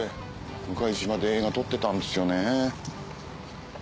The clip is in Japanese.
向島で映画撮ってたんですよね。